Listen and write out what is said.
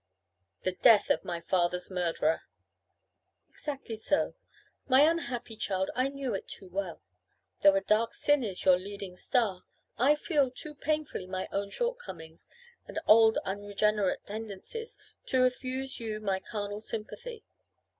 "The death of my father's murderer." "Exactly so. My unhappy child, I knew it too well. Though a dark sin is your leading star, I feel too painfully my own shortcomings, and old unregenerate tendencies, to refuse you my carnal sympathy.